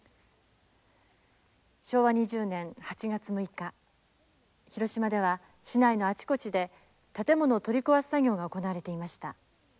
昭和２０年８月６日広島では市内のあちこちで建物を取り壊す作業が行われていました。